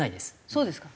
そうですか。